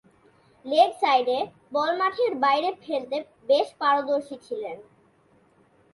Leg সাইডে ball মাঠের বাইরে ফেলতে বেশ পারদর্শী ছিলেন।